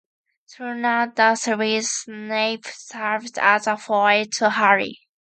Throughout the series, Snape serves as a foil to Harry.